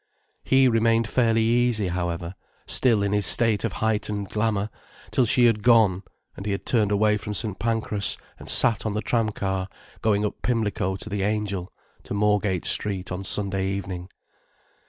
He remained fairly easy, however, still in his state of heightened glamour, till she had gone, and he had turned away from St. Pancras, and sat on the tram car going up Pimlico to the "Angel", to Moorgate Street on Sunday evening.